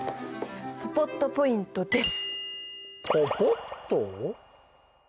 ポポッとポイントです！